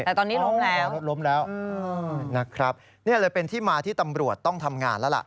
แต่ตอนนี้ล้มแล้วรถล้มแล้วนะครับนี่เลยเป็นที่มาที่ตำรวจต้องทำงานแล้วล่ะ